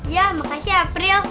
ya makasih ya april